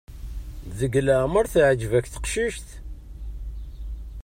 Deg leɛmer teɛǧeb-ak teqcict?